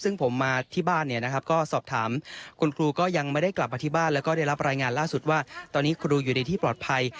ซึ่งผมมาที่บ้านเนี่ยนะครับก็สอบถามคุณครูก็ยังไม่ได้กลับมาที่บ้านแล้วก็ได้รับรายงานล่าสุดว่าตอนนี้ครูอยู่ในที่ปลอดภัย